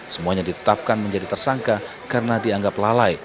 semuanya ditetapkan menjadi tersangka karena dianggap lalai